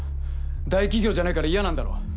大企業じゃないから嫌なんだろ？